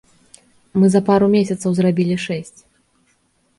Мы за пару месяцаў зрабілі шэсць.